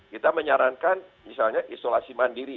kita menyarankan misalnya isolasi mandiri